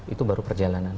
itu baru perjalanan